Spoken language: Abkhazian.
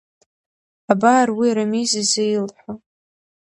Абар уи Рамиз изы илҳәо…